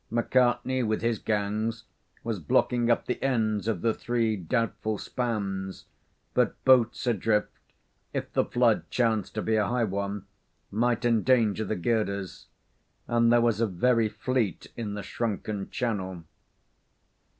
McCartney, with his gangs, was blocking up the ends of the three doubtful spans, but boats adrift, if the flood chanced to be a high one, might endanger the girders; and there was a very fleet in the shrunken channel.